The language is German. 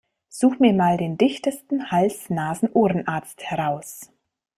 Such mir mal den dichtesten Hals-Nasen-Ohren-Arzt heraus!